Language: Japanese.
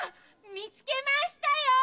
見つけましたよ！